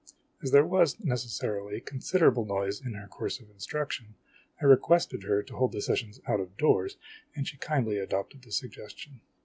As there was, necessarily, considerable noise in her course of instruction, I requested her to hold the sessions out of doors, and she kindly adopted the suggestion.